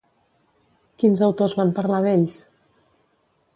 Quins autors van parlar d'ells?